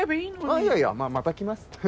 いやいやまた来ます。